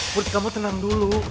murti kamu tenang dulu